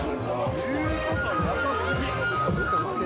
言うことなさ過ぎ。